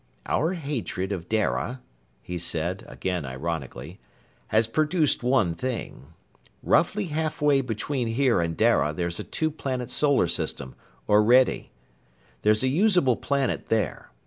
"Our hatred of Dara," he said, again ironically, "has produced one thing. Roughly halfway between here and Dara there's a two planet solar system, Orede. There's a usable planet there.